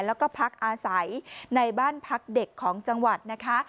แล้วก็พักอาศัยในบ้านพักเด็กของจังหวัดนะคะ